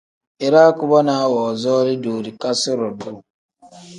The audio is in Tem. Iraa kubonaa woozooli doorikasi-ro duuu.